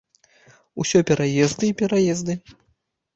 Усё пераезды і пераезды.